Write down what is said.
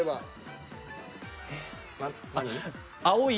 青い。